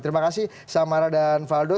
terima kasih samara dan faldo